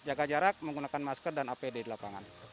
jaga jarak menggunakan masker dan apd di lapangan